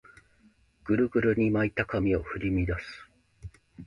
グルグルに巻いた髪の毛を振り乱す